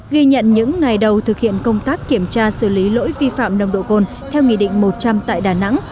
ghi nhận những ngày đầu thực hiện công tác kiểm tra xử lý lỗi vi phạm nồng độ cồn theo nghị định một trăm linh tại đà nẵng